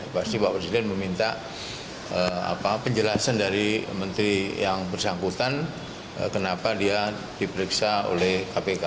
pasti pak presiden meminta penjelasan dari menteri yang bersangkutan kenapa dia diperiksa oleh kpk